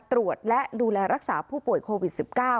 ตรวจและดูแลรักษาผู้ป่วยโควิด๑๙